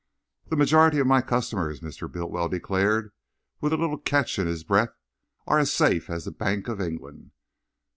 "The majority of my customers," Mr. Bultiwell declared, with a little catch in his breath, "are as safe as the Bank of England."